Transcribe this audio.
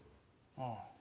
ああ。